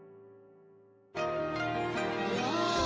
うわ。